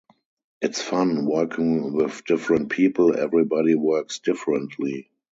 It's fun, working with different people, everybody works differently.